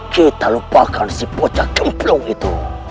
kita lupakan si bocah kemplung itu